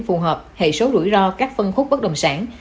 phù hợp hệ số rủi ro các phân khúc bất đồng sản